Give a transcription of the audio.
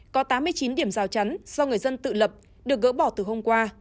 có tám mươi chín điểm rào chắn do người dân tự lập được gỡ bỏ từ hôm qua